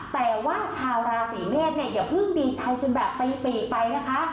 แต่ว่าชาวราศีเมษเนี่ยอย่าเพิ่งดีใจจนแบบตีปีกไปนะคะ